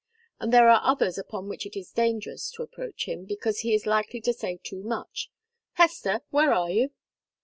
And there are others upon which it is dangerous to approach him, because he is likely to say too much. Hester! Where are you?"